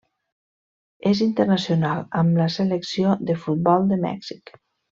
És internacional amb la selecció de futbol de Mèxic.